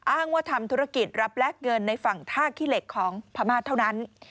อ้างว่าทำธุรกิจรับแลกเงินในฝั่งท่าขี้เหล็กของพม่าเท่านั้น